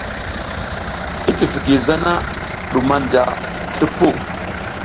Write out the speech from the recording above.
I tifiki zana ɗu manja slipuw.